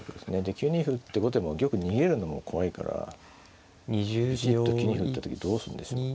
９二歩打って後手も玉逃げるのも怖いからビシッと９二歩打った時どうすんでしょうか。